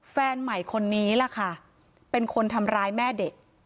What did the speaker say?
แฟนใหม่คนนี้ล่ะค่ะเป็นคนทำร้ายแม่เด็ก